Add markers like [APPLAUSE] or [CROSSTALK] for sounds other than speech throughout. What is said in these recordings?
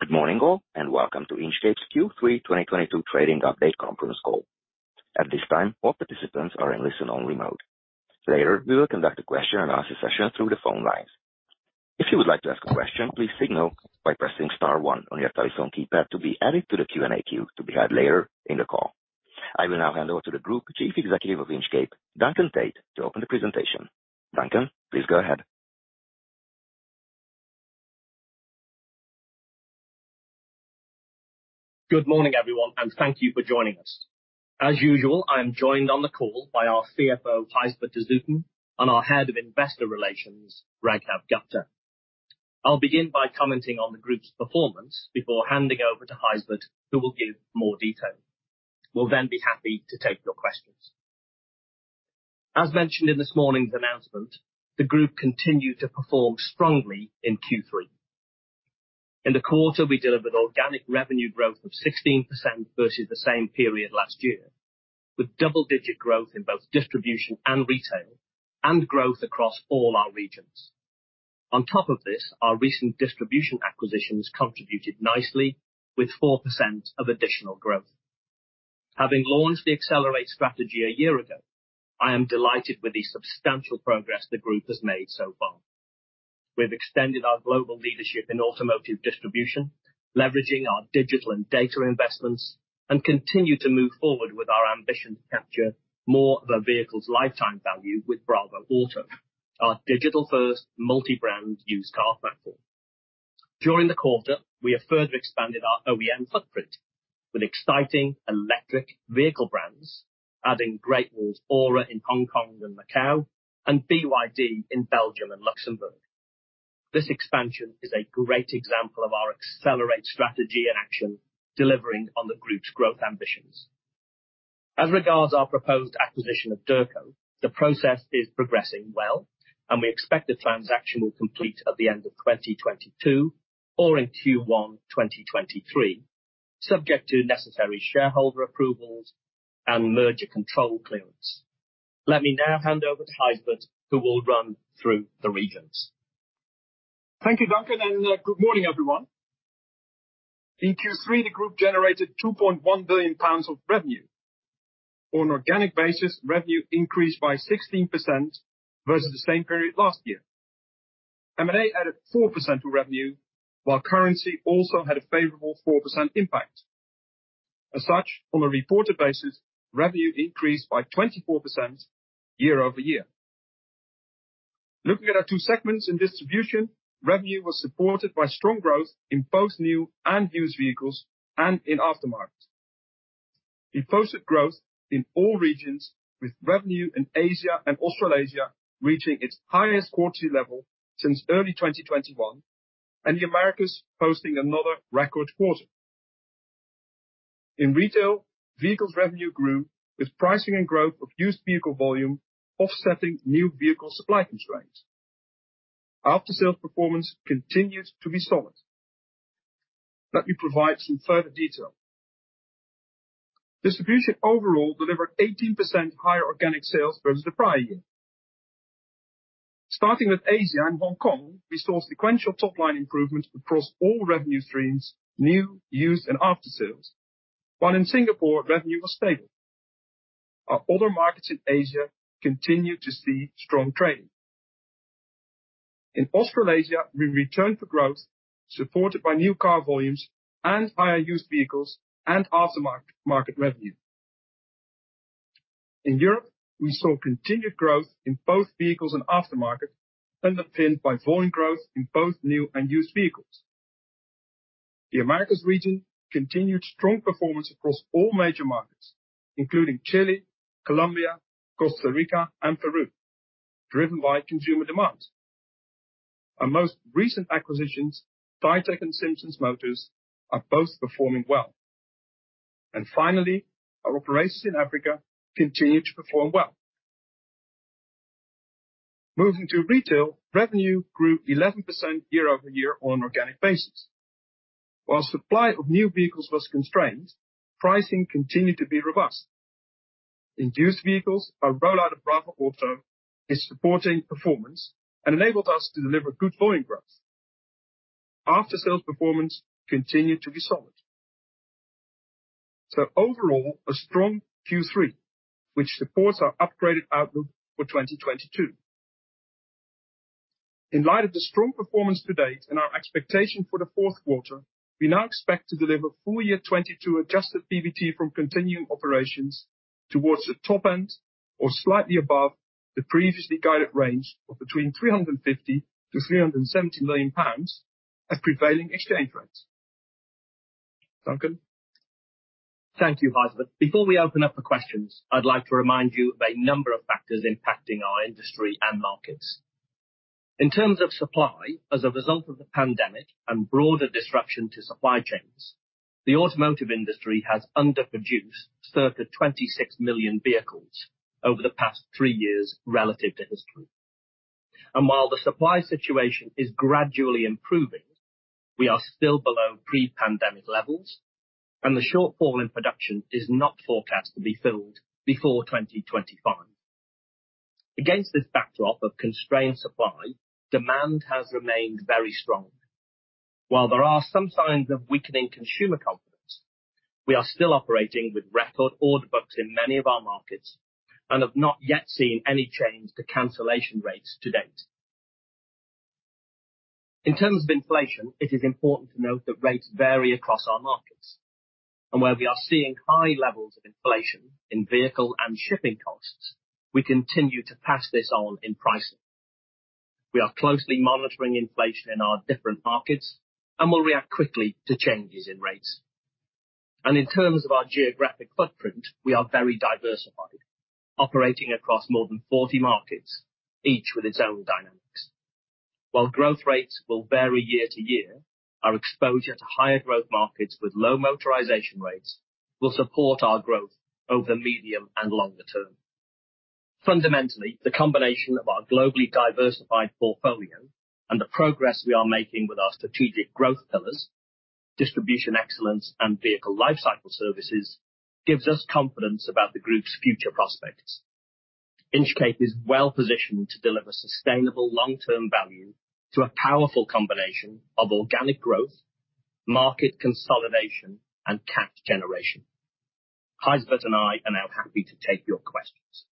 Good morning, all, and welcome to Inchcape's Q3 2022 trading update conference call. At this time, all participants are in listen only mode. Later, we will conduct a question and answer session through the phone lines. If you would like to ask a question, please signal by pressing star one on your telephone keypad to be added to the Q&A queue to be held later in the call. I will now hand over to the Group Chief Executive of Inchcape, Duncan Tait, to open the presentation. Duncan, please go ahead. Good morning, everyone, and thank you for joining us. As usual, I am joined on the call by our CFO, Gijsbert de Zoeten, and our Head of Investor Relations, Raghav Gupta. I'll begin by commenting on the group's performance before handing over to Gijsbert who will give more detail. We'll then be happy to take your questions. As mentioned in this morning's announcement, the group continued to perform strongly in Q3. In the quarter, we delivered organic revenue growth of 16% versus the same period last year, with double-digit growth in both distribution and retail, and growth across all our regions. On top of this, our recent distribution acquisitions contributed nicely with 4% of additional growth. Having launched the Accelerate strategy a year ago, I am delighted with the substantial progress the group has made so far. We've extended our global leadership in automotive distribution, leveraging our digital and data investments, and continue to move forward with our ambition to capture more of a vehicle's lifetime value with bravoauto, our digital-first multi-brand used car platform. During the quarter, we have further expanded our OEM footprint with exciting electric vehicle brands, adding Great Wall's ORA in Hong Kong and Macau, and BYD in Belgium and Luxembourg. This expansion is a great example of our Accelerate strategy in action, delivering on the group's growth ambitions. As regards our proposed acquisition of Derco, the process is progressing well, and we expect the transaction will complete at the end of 2022 or in Q1 2023, subject to necessary shareholder approvals and merger control clearance. Let me now hand over to Gijsbert who will run through the regions. Thank you, Duncan, and good morning, everyone. In Q3, the group generated 2.1 billion pounds of revenue. On an organic basis, revenue increased by 16% versus the same period last year. M&A added 4% to revenue, while currency also had a favorable 4% impact. As such, on a reported basis, revenue increased by 24% year-over-year. Looking at our two segments in distribution, revenue was supported by strong growth in both new and used vehicles and in aftermarket. It posted growth in all regions with revenue in Asia and Australasia reaching its highest quarterly level since early 2021, and the Americas posting another record quarter. In retail, vehicles revenue grew with pricing and growth of used vehicle volume offsetting new vehicle supply constraints. After sales performance continued to be solid. Let me provide some further detail. Distribution overall delivered 18% higher organic sales versus the prior year. Starting with Asia and Hong Kong, we saw sequential top-line improvements across all revenue streams, new, used, and after sales. While in Singapore, revenue was stable. Our other markets in Asia continued to see strong trading. In Australasia, we returned to growth supported by new car volumes and higher used vehicles and aftermarket revenue. In Europe, we saw continued growth in both vehicles and aftermarket, underpinned by volume growth in both new and used vehicles. The Americas region continued strong performance across all major markets, including Chile, Colombia, Costa Rica, and Peru, driven by consumer demands. Our most recent acquisitions, Ditec and Simpson Motors, are both performing well. Finally, our operations in Africa continue to perform well. Moving to retail, revenue grew 11% year-over-year on an organic basis. While supply of new vehicles was constrained, pricing continued to be robust. In used vehicles, our rollout of bravoauto is supporting performance and enabled us to deliver good volume growth. After sales performance continued to be solid. Overall, a strong Q3, which supports our upgraded outlook for 2022. In light of the strong performance to date and our expectation for the fourth quarter, we now expect to deliver full year 2022 adjusted PBT from continuing operations towards the top end or slightly above the previously guided range of between 350 million-370 million pounds at prevailing exchange rates. Duncan. Thank you, Gijsbert. Before we open up for questions, I'd like to remind you of a number of factors impacting our industry and markets. In terms of supply as a result of the pandemic and broader disruption to supply chains, the automotive industry has underproduced circa 26 million vehicles over the past three years relative to history. While the supply situation is gradually improving, we are still below pre-pandemic levels, and the shortfall in production is not forecast to be filled before 2025. Against this backdrop of constrained supply, demand has remained very strong. While there are some signs of weakening consumer confidence, we are still operating with record order books in many of our markets and have not yet seen any change to cancellation rates to date. In terms of inflation, it is important to note that rates vary across our markets. Where we are seeing high levels of inflation in vehicle and shipping costs, we continue to pass this on in pricing. We are closely monitoring inflation in our different markets and will react quickly to changes in rates. In terms of our geographic footprint, we are very diversified, operating across more than 40 markets, each with its own dynamics. While growth rates will vary year to year, our exposure to higher growth markets with low motorization rates will support our growth over the medium and longer term. Fundamentally, the combination of our globally diversified portfolio and the progress we are making with our strategic growth pillars, distribution excellence, and Vehicle Lifecycle Services, gives us confidence about the group's future prospects. Inchcape is well-positioned to deliver sustainable long-term value to a powerful combination of organic growth, market consolidation, and cash generation. Gijsbert and I are now happy to take your questions.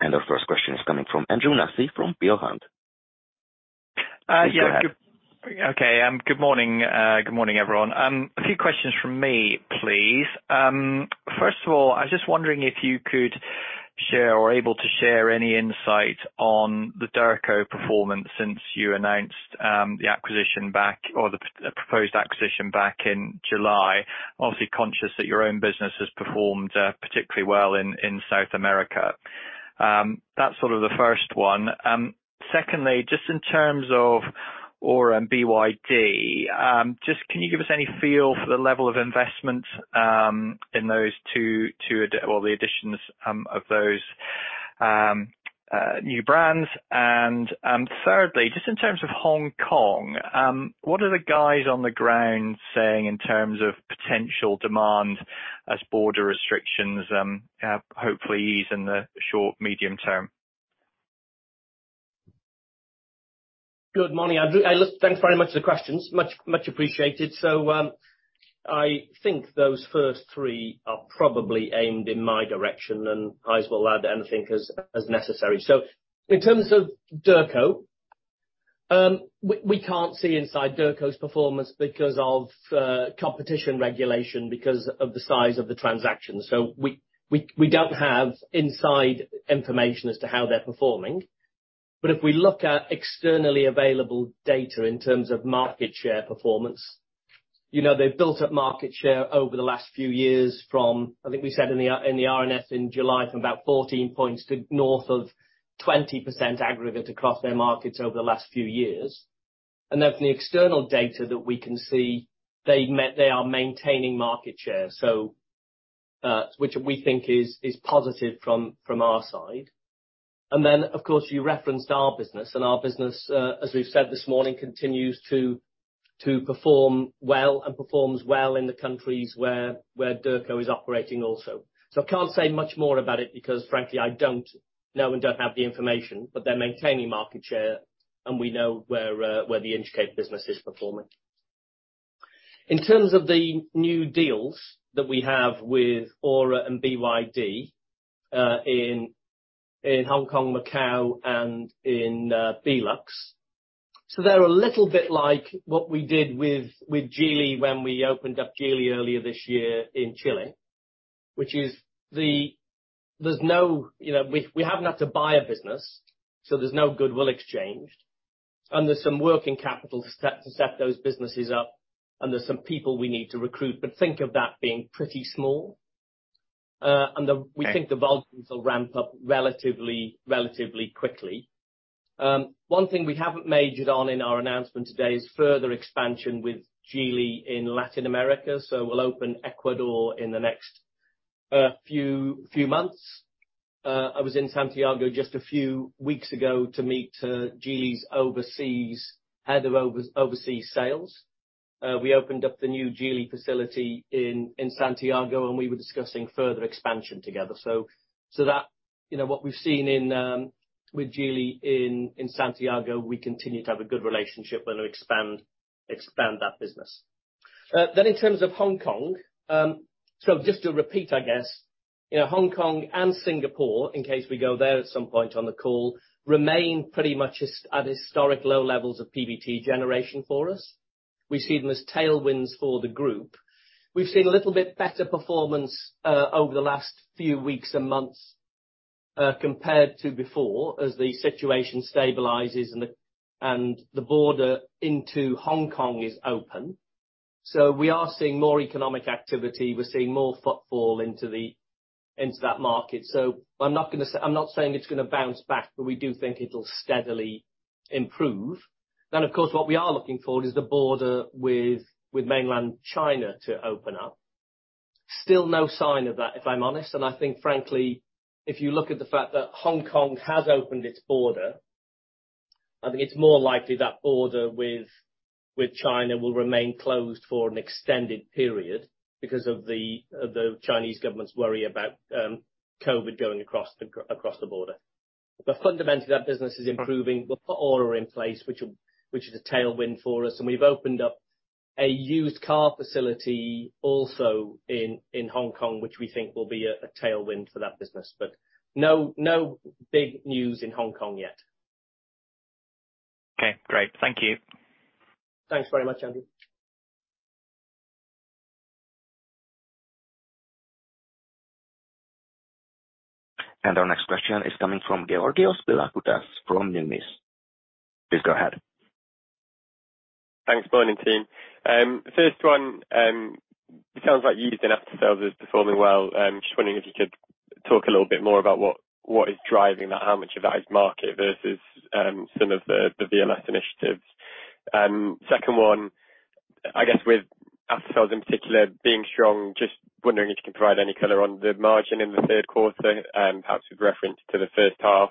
Our first question is coming from Andrew Nussey from Peel Hunt. Please go ahead. Good morning, everyone. A few questions from me, please. First of all, I was just wondering if you could share or able to share any insight on the Derco performance since you announced the acquisition or the proposed acquisition back in July. Obviously, conscious that your own business has performed particularly well in South America. That's sort of the first one. Secondly, just in terms of ORA and BYD, just can you give us any feel for the level of investment in those two or the additions of those new brands? Thirdly, just in terms of Hong Kong, what are the guys on the ground saying in terms of potential demand as border restrictions hopefully ease in the short, medium term? Good morning, Andrew. Look, thanks very much for the questions. Much, much appreciated. I think those first three are probably aimed in my direction, and Gijs will add anything as necessary. In terms of Derco, we can't see inside Derco's performance because of competition regulation because of the size of the transaction. We don't have inside information as to how they're performing. But if we look at externally available data in terms of market share performance, you know, they've built up market share over the last few years from, I think we said in the RNS in July, from about 14 points to north of 20% aggregate across their markets over the last few years. From the external data that we can see, they are maintaining market share, which we think is positive from our side. Of course, you referenced our business, and our business, as we've said this morning, continues to perform well and performs well in the countries where Derco is operating also. I can't say much more about it because frankly, I don't know and don't have the information, but they're maintaining market share, and we know where the Inchcape business is performing. In terms of the new deals that we have with ORA and BYD in Hong Kong, Macau, and in BeLux. They're a little bit like what we did with Geely when we opened up Geely earlier this year in Chile. We haven't had to buy a business, so there's no goodwill exchanged. There's some working capital to set those businesses up, and there's some people we need to recruit, but think of that being pretty small. Okay. We think the volumes will ramp up relatively quickly. One thing we haven't majored on in our announcement today is further expansion with Geely in Latin America, so we'll open Ecuador in the next few months. I was in Santiago just a few weeks ago to meet Geely's overseas head of overseas sales. We opened up the new Geely facility in Santiago, and we were discussing further expansion together. That, you know, what we've seen with Geely in Santiago, we continue to have a good relationship and to expand that business. Then in terms of Hong Kong, just to repeat, I guess, you know, Hong Kong and Singapore, in case we go there at some point on the call, remain pretty much at historic low levels of PBT generation for us. We see them as tailwinds for the group. We've seen a little bit better performance over the last few weeks and months compared to before, as the situation stabilizes and the border into Hong Kong is open. We are seeing more economic activity. We're seeing more footfall into that market. I'm not saying it's gonna bounce back, but we do think it'll steadily improve. Of course, what we are looking for is the border with mainland China to open up. Still no sign of that, if I'm honest. I think frankly, if you look at the fact that Hong Kong has opened its border, I think it's more likely that border with China will remain closed for an extended period because of the Chinese government's worry about COVID going across the border. Fundamentally, that business is improving. We've put ORA in place which is a tailwind for us, and we've opened up a used car facility also in Hong Kong, which we think will be a tailwind for that business. No big news in Hong Kong yet. Okay, great. Thank you. Thanks very much, Andrew. Our next question is coming from Georgios Pilakoutas from Numis. Please go ahead. Thanks. Morning team. First one, it sounds like used and aftersales is performing well. Just wondering if you could talk a little bit more about what is driving that, how much of that is market versus some of the VMS initiatives. Second one, I guess with aftersales in particular being strong, just wondering if you can provide any color on the margin in the third quarter, perhaps with reference to the first half.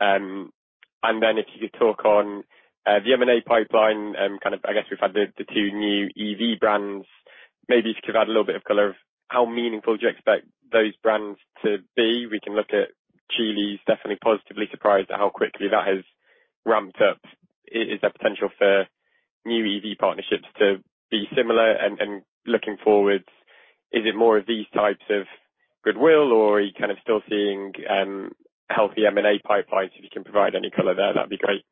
Then if you could talk on the M&A pipeline, kind of I guess we've had the two new EV brands. Maybe if you could add a little bit of color on how meaningful do you expect those brands to be. We can look at Geely's, definitely positively surprised at how quickly that has ramped up. Is there potential for new EV partnerships to be similar? Looking forward, is it more of these types of goodwill, or are you kind of still seeing healthy M&A pipelines? If you can provide any color there, that'd be great.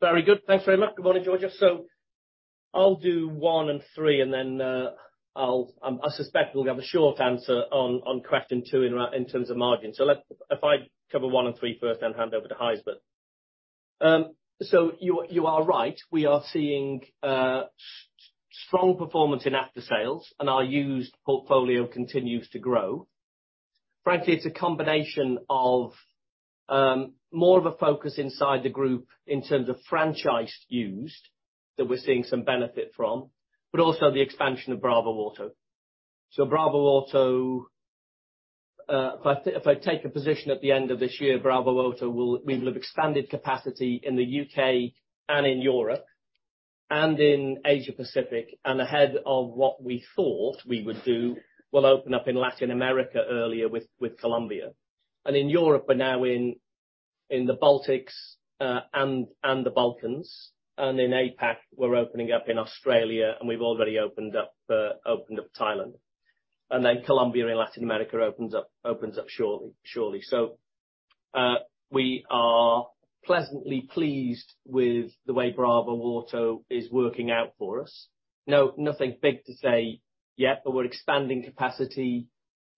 Very good. Thanks very much. Good morning, Georgios. I'll do one and three, and then I suspect we'll have a short answer on question two in terms of margin. If I cover one and three first, then hand over to Gijsbert. You are right. We are seeing strong performance in aftersales, and our used portfolio continues to grow. Frankly, it's a combination of more of a focus inside the group in terms of franchised used that we're seeing some benefit from, but also the expansion of bravoauto. bravoauto, if I take a position at the end of this year, bravoauto, we will have expanded capacity in the U.K. and in Europe and in Asia-Pacific. Ahead of what we thought we would do, we'll open up in Latin America earlier with Colombia. In Europe, we're now in the Baltics and the Balkans. In APAC, we're opening up in Australia, and we've already opened up Thailand. Then Colombia and Latin America opens up shortly. We are pleasantly pleased with the way bravoauto is working out for us. Nothing big to say yet, but we're expanding capacity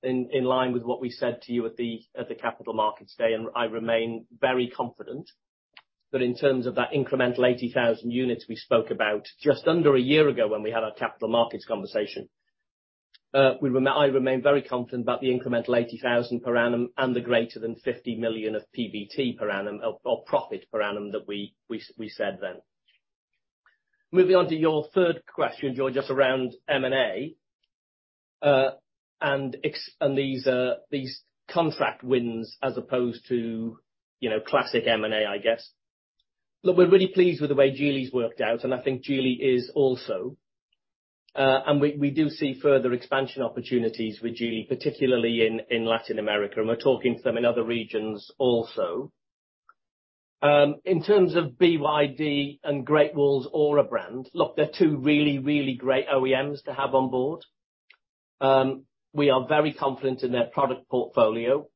in line with what we said to you at the Capital Markets Day. I remain very confident that in terms of that incremental 80,000 units we spoke about just under a year ago when we had our capital markets conversation. I remain very confident about the incremental 80,000 per annum and the greater than 50 million of PBT per annum, or profit per annum that we said then. Moving on to your third question, Georgios, around M&A, and these contract wins as opposed to, you know, classic M&A, I guess. Look, we're really pleased with the way Geely's worked out, and I think Geely is also. We do see further expansion opportunities with Geely, particularly in Latin America, and we're talking to them in other regions also. In terms of BYD and Great Wall's ORA brand, look, they're two really great OEMs to have on board. We are very confident in their product portfolio.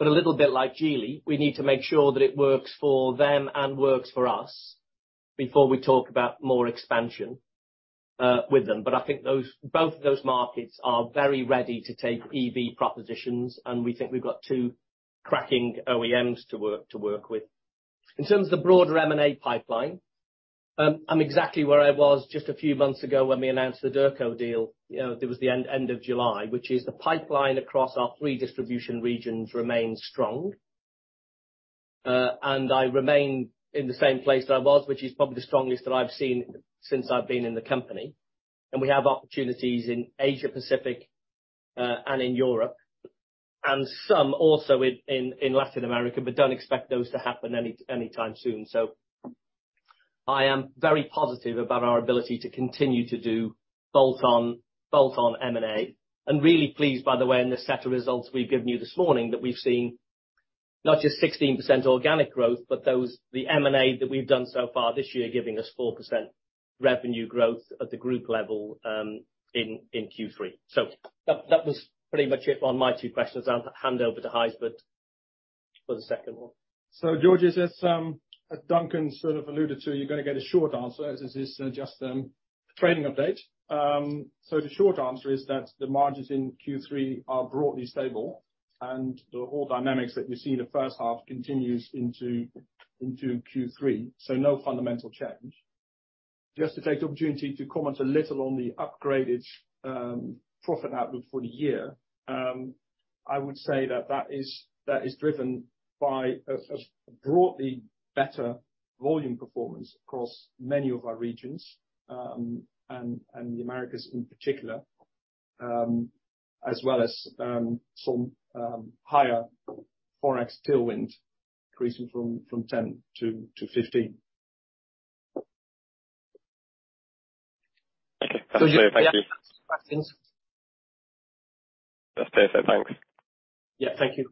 A little bit like Geely, we need to make sure that it works for them and works for us before we talk about more expansion with them. I think both of those markets are very ready to take EV propositions, and we think we've got two cracking OEMs to work with. In terms of the broader M&A pipeline, I'm exactly where I was just a few months ago when we announced the Derco deal, you know, it was the end of July, which is the pipeline across our three distribution regions remains strong. I remain in the same place that I was, which is probably the strongest that I've seen since I've been in the company. We have opportunities in Asia-Pacific, and in Europe, and some also in Latin America, but don't expect those to happen anytime soon. I am very positive about our ability to continue to do bolt-on M&A. Really pleased, by the way, in the set of results we've given you this morning that we've seen not just 16% organic growth, but the M&A that we've done so far this year giving us 4% revenue growth at the group level, in Q3. That was pretty much it on my two questions. I'll hand over to Gijsbert for the second one. Georgios, as Duncan sort of alluded to, you're gonna get a short answer, as is just Trading update. The short answer is that the margins in Q3 are broadly stable, and the whole dynamics that we see in the first half continues into Q3. No fundamental change. Just to take the opportunity to comment a little on the upgraded profit outlook for the year, I would say that is driven by a broadly better volume performance across many of our regions, and the Americas in particular, as well as some higher ForEx tailwind increasing from 10 to 15. Okay. So yeah- [CROSSTALK] Questions. That's clear for now. Yeah, thank you.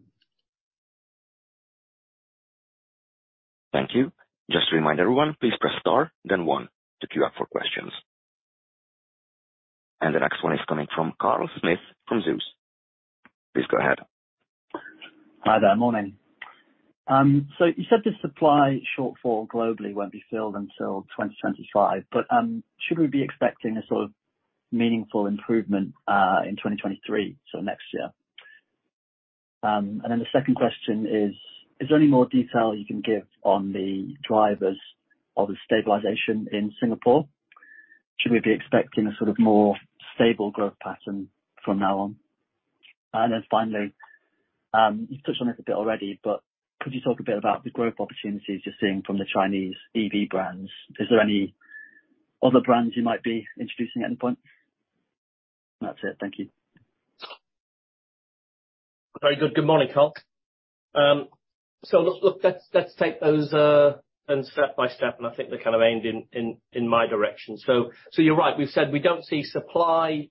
Thank you. Just to remind everyone, please press star then one to queue up for questions. The next one is coming from Carl Smith from Zeus. Please go ahead. Hi there. Morning. You said the supply shortfall globally won't be filled until 2025, but should we be expecting a sort of meaningful improvement in 2023, so next year? The second question is there any more detail you can give on the drivers of the stabilization in Singapore? Should we be expecting a sort of more stable growth pattern from now on? Then finally, you've touched on it a bit already, but could you talk a bit about the growth opportunities you're seeing from the Chinese EV brands? Is there any other brands you might be introducing at any point? That's it. Thank you. Very good. Good morning, Carl. Look, let's take them step by step, and I think they're kind of aimed in my direction. You're right, we've said we don't see supply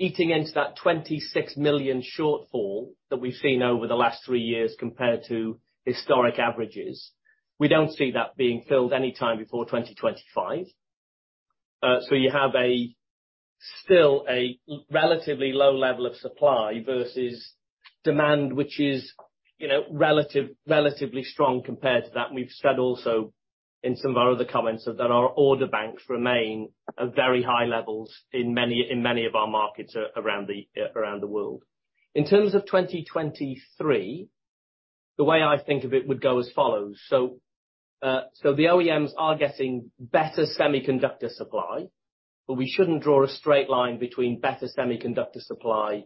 eating into that 26 million shortfall that we've seen over the last three years compared to historic averages. We don't see that being filled any time before 2025. You have still a relatively low level of supply versus demand, which is, you know, relatively strong compared to that. We've said also in some of our other comments that our order banks remain at very high levels in many of our markets around the world. In terms of 2023, the way I think of it would go as follows. The OEMs are getting better semiconductor supply, but we shouldn't draw a straight line between better semiconductor supply and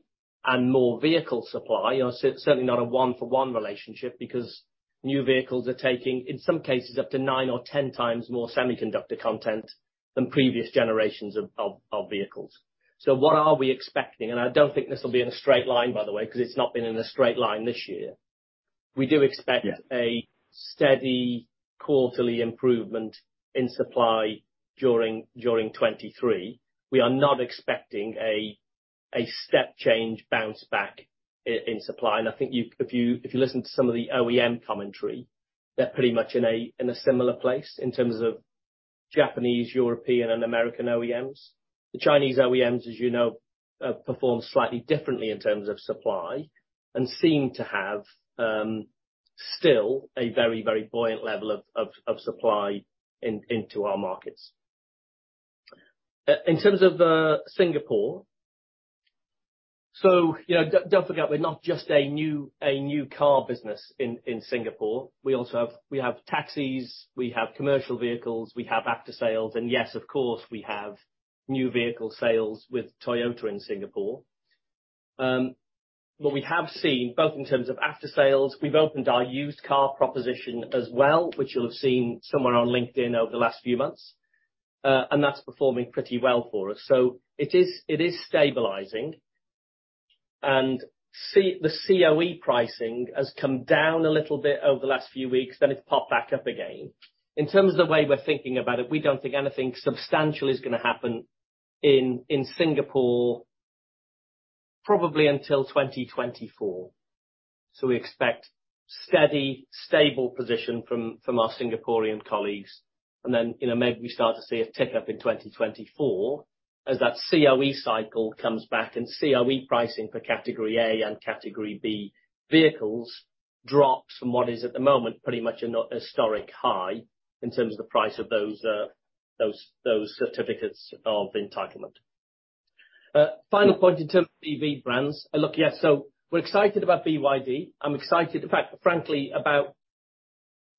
more vehicle supply. You know, certainly not a one-for-one relationship because new vehicles are taking, in some cases, up to nine or 10x more semiconductor content than previous generations of vehicles. What are we expecting? I don't think this will be in a straight line, by the way, 'cause it's not been in a straight line this year. We do expect. Yeah. A steady quarterly improvement in supply during 2023. We are not expecting a step change bounce back in supply. I think if you listen to some of the OEM commentary, they're pretty much in a similar place in terms of Japanese, European and American OEMs. The Chinese OEMs, as you know, perform slightly differently in terms of supply and seem to have still a very buoyant level of supply into our markets. In terms of Singapore, you know, don't forget we're not just a new car business in Singapore. We also have taxis, we have commercial vehicles, we have after sales, and yes, of course, we have new vehicle sales with Toyota in Singapore. What we have seen, both in terms of after sales, we've opened our used car proposition as well, which you'll have seen somewhere on LinkedIn over the last few months, and that's performing pretty well for us. It is stabilizing. The COE pricing has come down a little bit over the last few weeks, then it's popped back up again. In terms of the way we're thinking about it, we don't think anything substantial is gonna happen in Singapore probably until 2024. We expect steady, stable position from our Singaporean colleagues. You know, maybe we start to see a tick up in 2024 as that COE cycle comes back and COE pricing for Category A and Category B vehicles drops from what is at the moment pretty much a historic high in terms of the price of those certificates of entitlement. Final point in terms of EV brands. Look, yes, so we're excited about BYD. I'm excited, in fact, frankly about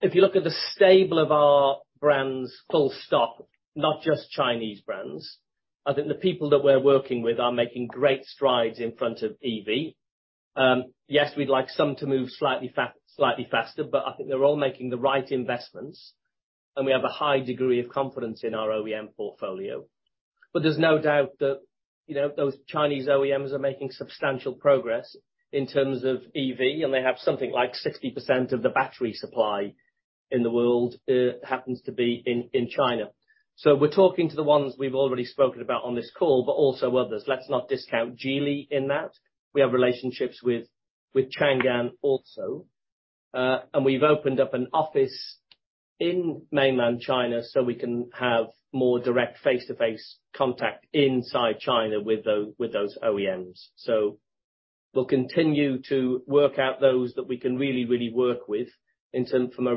if you look at the stable of our brands full stop, not just Chinese brands, I think the people that we're working with are making great strides in front of EV. Yes, we'd like some to move slightly faster, but I think they're all making the right investments, and we have a high degree of confidence in our OEM portfolio. There's no doubt that, you know, those Chinese OEMs are making substantial progress in terms of EV, and they have something like 60% of the battery supply in the world, happens to be in China. We're talking to the ones we've already spoken about on this call, but also others. Let's not discount Geely in that. We have relationships with Changan also. We've opened up an office in mainland China so we can have more direct face-to-face contact inside China with those OEMs. We'll continue to work out those that we can really work with from a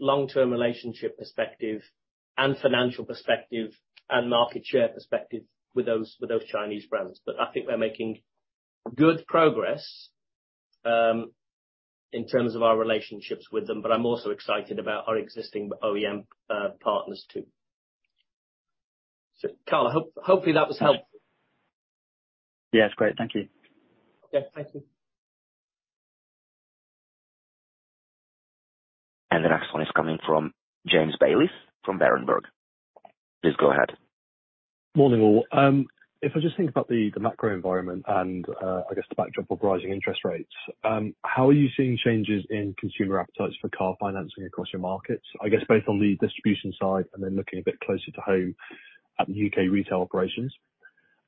long-term relationship perspective and financial perspective and market share perspective with those Chinese brands. I think we're making good progress in terms of our relationships with them, but I'm also excited about our existing OEM partners too. Carl, I hope hopefully that was helpful. Yes, great. Thank you. Okay. Thank you. The next one is coming from James Bayliss from Berenberg. Please go ahead. Morning, all. If I just think about the macro environment and I guess the backdrop of rising interest rates, how are you seeing changes in consumer appetite for car financing across your markets? I guess both on the distribution side and then looking a bit closer to home at the U.K. retail operations.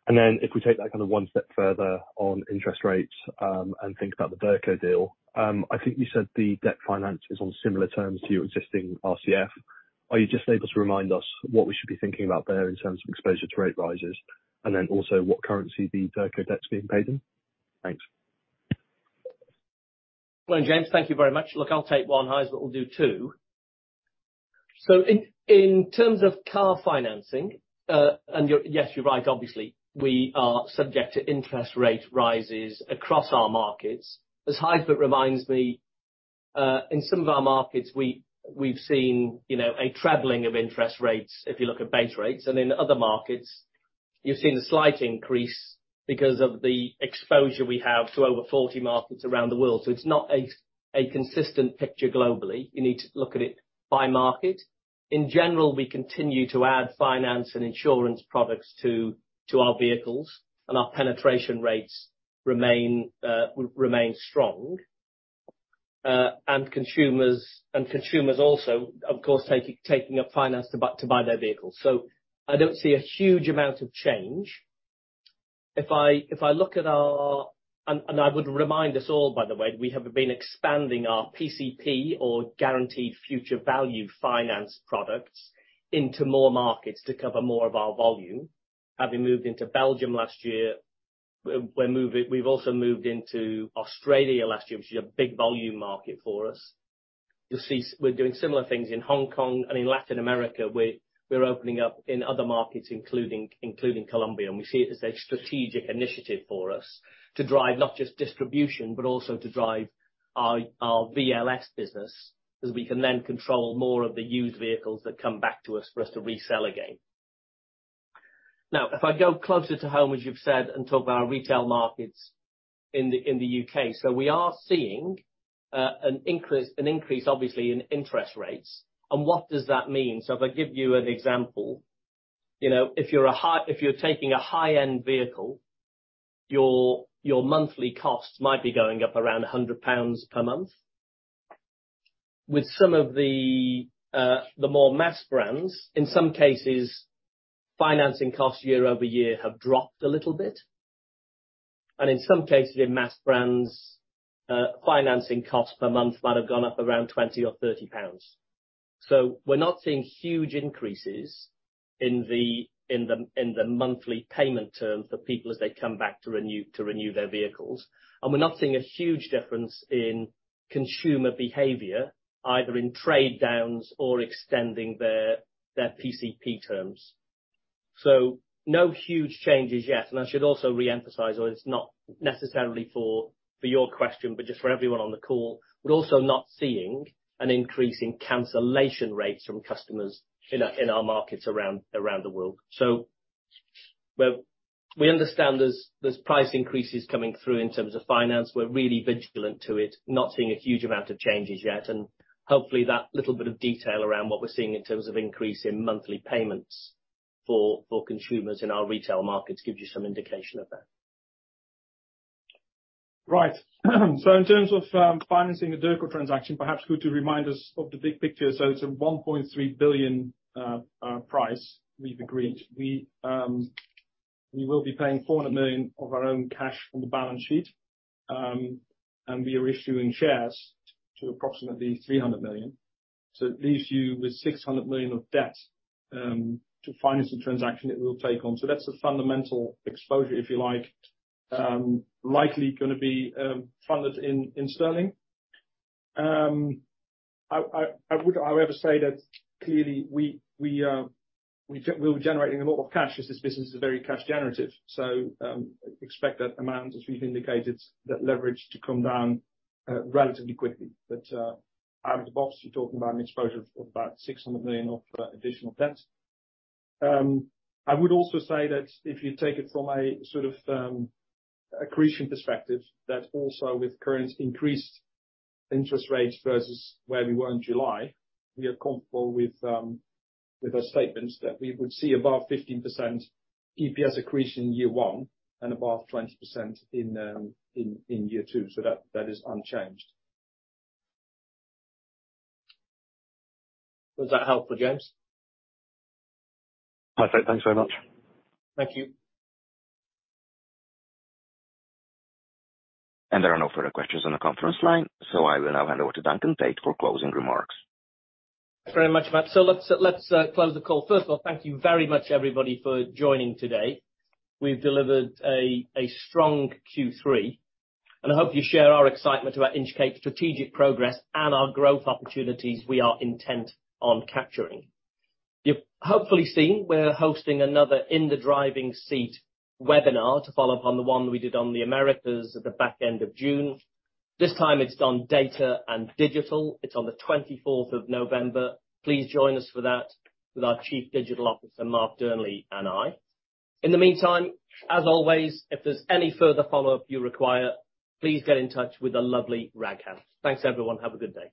Then if we take that kind of one step further on interest rates, and think about the Derco deal, I think you said the debt finance is on similar terms to your existing RCF. Are you just able to remind us what we should be thinking about there in terms of exposure to rate rises, and then also what currency the Derco debt's being paid in? Thanks. Well, James, thank you very much. Look, I'll take one. Gijsbert will do two. In terms of car financing, you're right. Yes, you're right, obviously, we are subject to interest rate rises across our markets. As Gijsbert reminds me, in some of our markets, we've seen, you know, a trebling of interest rates if you look at base rates. In other markets, you've seen a slight increase because of the exposure we have to over 40 markets around the world. It's not a consistent picture globally. You need to look at it by market. In general, we continue to add finance and insurance products to our vehicles, and our penetration rates remain strong. Consumers also, of course, taking up finance to buy their vehicles. I don't see a huge amount of change. I would remind us all, by the way, we have been expanding our PCP or guaranteed future value finance products into more markets to cover more of our volume, having moved into Belgium last year. We've also moved into Australia last year, which is a big volume market for us. You'll see we're doing similar things in Hong Kong and in Latin America, we're opening up in other markets, including Colombia, and we see it as a strategic initiative for us to drive not just distribution, but also to drive our VLS business, as we can then control more of the used vehicles that come back to us for us to resell again. Now, if I go closer to home, as you've said, and talk about our retail markets in the U.K. We are seeing an increase obviously in interest rates. What does that mean? If I give you an example, you know, if you're taking a high-end vehicle, your monthly costs might be going up around 100 pounds per month. With some of the more mass brands, in some cases, financing costs year-over-year have dropped a little bit. In some cases, in mass brands, financing costs per month might have gone up around 20 or 30 pounds. We're not seeing huge increases in the monthly payment terms for people as they come back to renew their vehicles. We're not seeing a huge difference in consumer behavior, either in trade downs or extending their PCP terms. No huge changes yet. I should also re-emphasize, although it's not necessarily for your question, but just for everyone on the call, we're also not seeing an increase in cancellation rates from customers in our markets around the world. We're vigilant to it. Not seeing a huge amount of changes yet, and hopefully that little bit of detail around what we're seeing in terms of increase in monthly payments for consumers in our retail markets gives you some indication of that. Right. In terms of financing the Derco transaction, perhaps good to remind us of the big picture. It's a 1.3 billion price we've agreed. We will be paying 400 million of our own cash from the balance sheet, and we are issuing shares to approximately 300 million. It leaves you with 600 million of debt to finance the transaction it will take on. That's the fundamental exposure, if you like. Likely gonna be funded in sterling. I would say that clearly we are generating a lot of cash as this business is very cash generative. Expect that amount, as we've indicated, that leverage to come down relatively quickly. Out of the box, you're talking about an exposure of about 600 million of additional debt. I would also say that if you take it from a sort of accretion perspective, that also with current increased interest rates versus where we were in July, we are comfortable with the statements that we would see above 15% EPS accretion in year one and above 20% in year two. That is unchanged. Was that helpful, James? Perfect. Thanks very much. Thank you. There are no further questions on the conference line, so I will now hand over to Duncan Tait for closing remarks. Thank you very much, Matt. Let's close the call. First of all, thank you very much everybody for joining today. We've delivered a strong Q3, and I hope you share our excitement about Inchcape's strategic progress and our growth opportunities we are intent on capturing. You've hopefully seen we're hosting another In the Driving Seat webinar to follow up on the one we did on the Americas at the back end of June. This time it's on data and digital. It's on the twenty-fourth of November. Please join us for that with our Chief Digital Officer, Mark Dearnley, and I. In the meantime, as always, if there's any further follow-up you require, please get in touch with the lovely Raghav. Thanks, everyone. Have a good day.